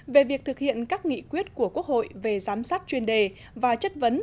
về việc thực hiện các nghị quyết của quốc hội về giám sát chuyên đề và chất vấn